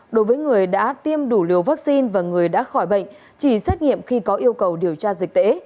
đối với người đã tiêm đủ liều vaccine và người đã khỏi bệnh chỉ xét nghiệm khi có yêu cầu điều tra dịch tễ